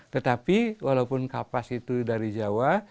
tetapi walaupun kapas itu dari jawa